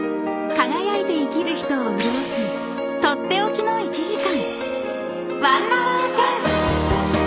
［輝いて生きる人を潤す取って置きの１時間］